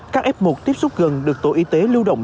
các f một tiếp xúc gần được tổ y tế lưu động